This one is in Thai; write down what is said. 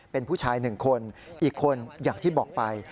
เป็นผู้ชาย๑คนอีกคนอย่างที่บอกไป